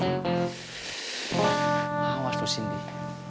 awas tuh sindi